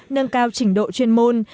nâng cao trình độ chuyên môn